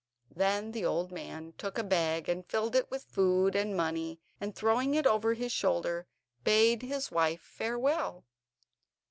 Then the old man took a bag and filled it with food and money, and throwing it over his shoulders, bade his wife farewell.